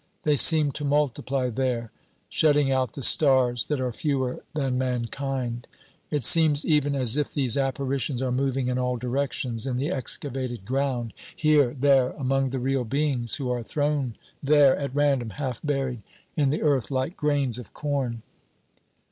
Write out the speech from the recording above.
They seem to multiply there, shutting out the stars that are fewer than mankind; it seems even as if these apparitions are moving in all directions in the excavated ground, here, there, among the real beings who are thrown there at random, half buried in the earth like grains of corn.